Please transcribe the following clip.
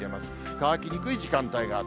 乾きにくい時間帯がある。